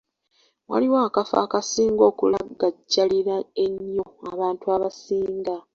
Waliwo akafo akasinga okulagajjalirwa ennyo abantu abasinga.